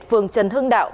phường trần hưng đạo